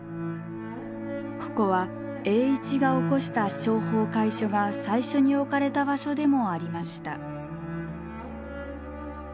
ここは栄一が起こした商法會所が最初に置かれた場所でもありました。